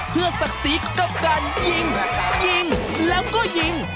เพื่อศักดิ์ศรีกับการยิงยิงแล้วก็ยิง